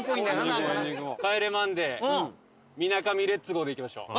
「『帰れマンデー』みなかみレッツゴー！」でいきましょう。